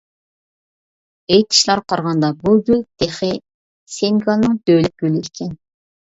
ئېيتىشلارغا قارىغاندا، بۇ گۈل تېخى سېنېگالنىڭ دۆلەت گۈلى ئىكەن!